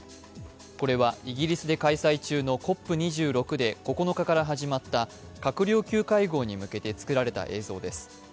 これはイギリスで開催中のＣＯＰ２６で９日から始まった閣僚級会合に向けてつくられた映像です。